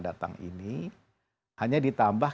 datang ini hanya ditambah